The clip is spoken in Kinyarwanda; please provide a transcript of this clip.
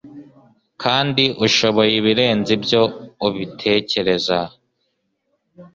kandi ushoboye ibirenze ibyo ubitekereza